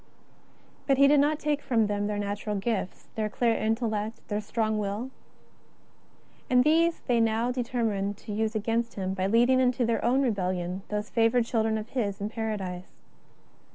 But He did not take from them their natural gifts, their clear intellect, their strong will. And these they now determined to use against Him by leading into their own rebellion those favoured children of His in Paradise.